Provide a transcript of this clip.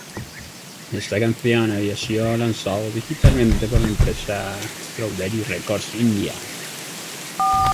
Esta canción había sido lanzado digitalmente por la empresa 'Strawberry Records India'.